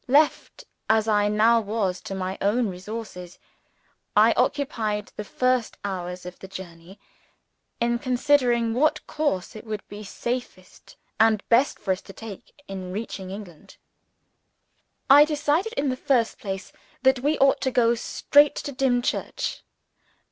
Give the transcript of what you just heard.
Left as I now was to my own resources, I occupied the first hours of the journey, in considering what course it would be safest and best for us to take, on reaching England. I decided, in the first place, that we ought to go straight to Dimchurch.